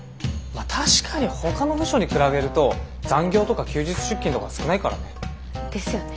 確かにほかの部署に比べると残業とか休日出勤とか少ないからね。ですよね。